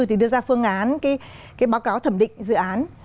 thì đưa ra phương án cái báo cáo thẩm định dự án